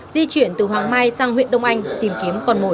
di chuyển từ hoàng mai sang huyện đông anh tìm kiếm con mồi